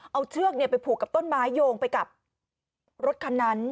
เอาเชือกไปผูกกับต้นไม้โยงไปกับรถคันนั้น